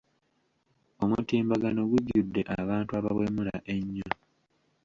Omutimbagano gujjuddeko abantu abawemula ennyo.